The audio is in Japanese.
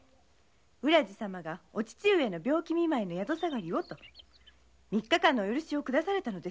浦路様がお父上の病気見舞いの宿下がりをと三日間のお許しを。